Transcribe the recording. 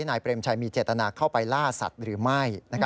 นายเปรมชัยมีเจตนาเข้าไปล่าสัตว์หรือไม่